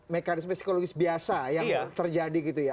mekanisme psikologis biasa yang terjadi gitu ya